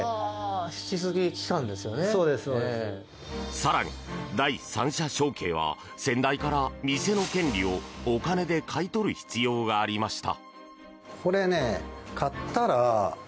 更に、第三者承継は先代から店の権利をお金で買い取る必要がありました。